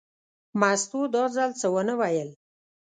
مستو دا ځل څه ونه ویل.